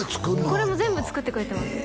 これも全部作ってくれてます